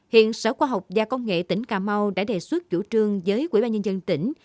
hiện sở khoa học và công nghệ tỉnh cà mau đã đề xuất chủ trương với quỹ ba nhân dân tỉnh